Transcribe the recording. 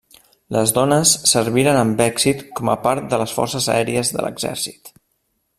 Les dones serviren amb èxit com a part de les Forces Aèries de l'Exèrcit.